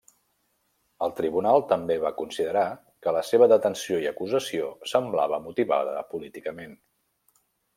El Tribunal també va considerar que la seva detenció i acusació semblava motivada políticament.